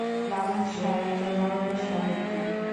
লালন শাহ একজন বাঙালি সাহিত্যিক।